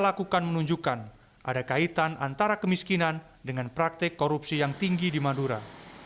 dilakukan menunjukkan ada kaitan antara kemiskinan dengan praktek korupsi yang tinggi di madura